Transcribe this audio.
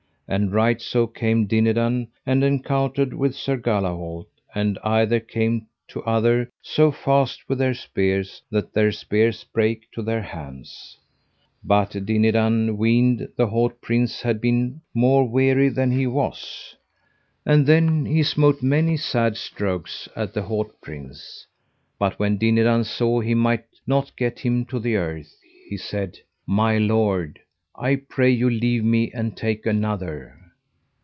And right so came Dinadan and encountered with Sir Galahalt, and either came to other so fast with their spears that their spears brake to their hands. But Dinadan had weened the haut prince had been more weary than he was. And then he smote many sad strokes at the haut prince; but when Dinadan saw he might not get him to the earth he said: My lord, I pray you leave me, and take another.